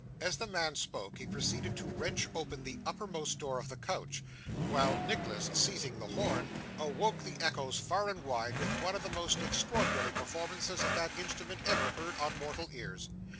As the man spoke, he proceeded to wrench open the uppermost door of the coach, while Nicholas, seizing the horn, awoke the echoes far and wide with one of the most extraordinary performances on that instrument ever heard by mortal ears.